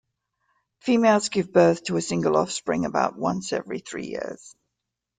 Females give birth to a single offspring about once every three years.